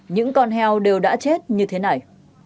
những con heo đều đã chết như thế này